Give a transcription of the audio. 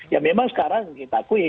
ya memang sekarang kita akui